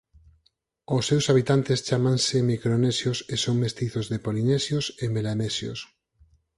Ós seus habitantes chámanse micronesios e son mestizos de polinesios e melanesios.